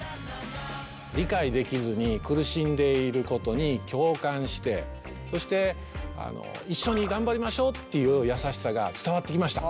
理解できずに苦しんでいることに共感してそして一緒に頑張りましょうっていう優しさが伝わってきました。